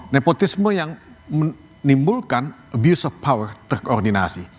nepotisme yang menimbulkan abuse of power terkoordinasi